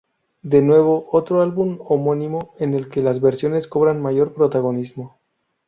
De nuevo, otro álbum homónimo en el que las versiones cobran mayor protagonismo.